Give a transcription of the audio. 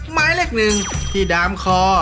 หมายเลข๑ที่ดามคอ